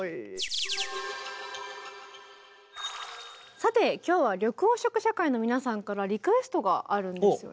さて今日は緑黄色社会の皆さんからリクエストがあるんですよね？